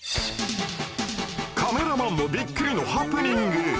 カメラマンもびっくりのハプニング！